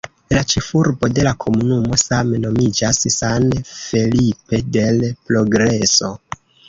La ĉefurbo de la komunumo same nomiĝas "San Felipe del Progreso".